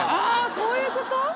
そういうこと？